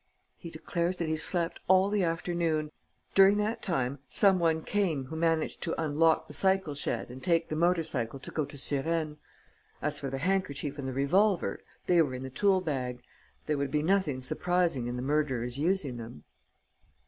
"He declares that he slept all the afternoon. During that time, some one came who managed to unlock the cycle shed and take the motor cycle to go to Suresnes. As for the handkerchief and the revolver, they were in the tool bag. There would be nothing surprising in the murderer's using them."